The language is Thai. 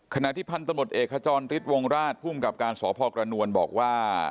ขณะที่พันธมตเอกขจรฤทธิวงราชภูมิกับการสพกระนวลบอกว่า